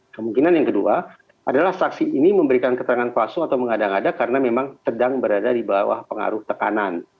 kemungkinan yang kedua adalah saksi ini memberikan keterangan palsu atau mengada ngada karena memang sedang berada di bawah pengaruh tekanan